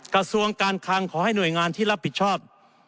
กระทรวงการคังขอให้หน่วยงานที่รับผิดชอบ